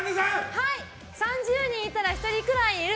３０人いたら１人くらいいる。